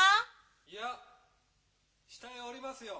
いや下へ降りますよ。